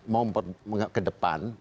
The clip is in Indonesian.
mau ke depan